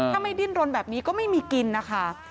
ถ้าไม่ดิ้นรนแบบนี้ก็ไม่มีกินนะคะ